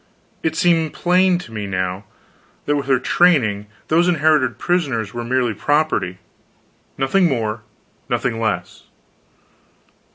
It seemed plain to me now, that with her training, those inherited prisoners were merely property nothing more, nothing less.